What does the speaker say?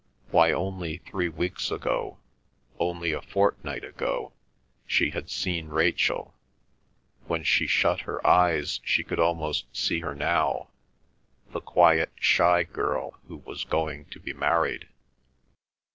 Why, only three weeks ago—only a fortnight ago, she had seen Rachel; when she shut her eyes she could almost see her now, the quiet, shy girl who was going to be married.